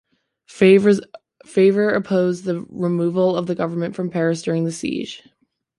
Favre opposed the removal of the government from Paris during the siege.